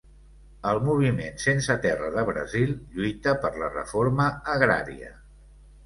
El Moviment Sense Terra de Brasil lluita per la reforma agrària.